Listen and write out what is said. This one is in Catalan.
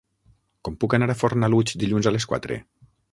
Com puc anar a Fornalutx dilluns a les quatre?